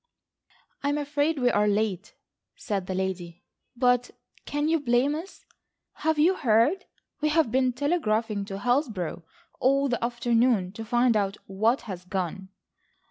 "I'm afraid we are late," said the lady, "but can you blame us? Have you heard? We have been telegraphing to Hillsborough all the afternoon to find out what has gone."